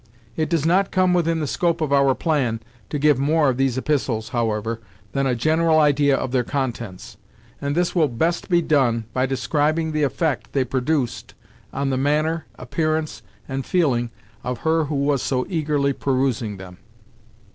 It does not come within the scope of our plan to give more of these epistles, however, than a general idea of their contents, and this will best be done by describing the effect they produced on the manner, appearance, and feeling of her who was so eagerly perusing them.